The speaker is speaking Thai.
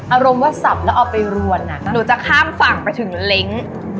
อารมณ์ว่าสับแล้วเอาไปรวนหนูจะข้ามฝั่งไปถึงเล้ง